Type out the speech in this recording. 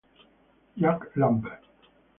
Jack Lambert